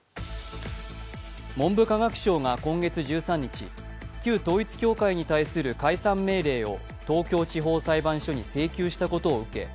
文部科学省が今月１３日、旧統一教会に対する解散命令を東京地方裁判所に請求したことを受け